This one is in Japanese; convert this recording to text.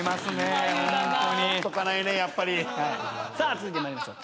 続いて参りましょう。